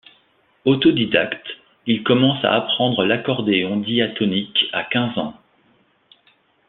Autodidacte, il commence à apprendre l’accordéon diatonique à quinze ans.